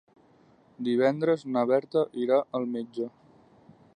Divendres na Berta irà al metge.